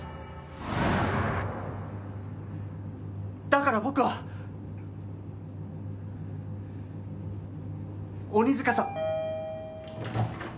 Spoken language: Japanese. だから、僕は鬼塚さん。